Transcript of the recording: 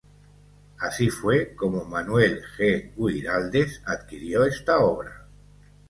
Así fue como Manuel G. Güiraldes adquirió esta obra.